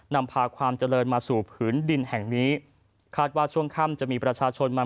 นำพาความเจริญมาสู่ผืนดินแห่งนี้คาดว่าช่วงค่ำจะมีประชาชนมา